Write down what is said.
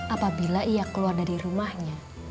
apabila ia keluar dari rumahnya